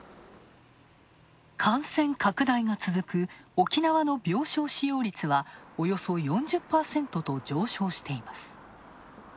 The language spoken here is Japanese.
感染拡大が続く、沖縄の病床使用率はおよそ４０％と上昇しています。